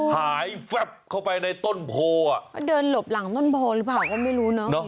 หายแฟบเข้าไปในต้นโพอ่ะเขาเดินหลบหลังต้นโพหรือเปล่าก็ไม่รู้เนอะ